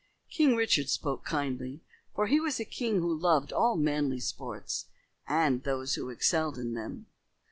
King Richard spoke kindly, for he was a king who loved all manly sports and those who excelled in them.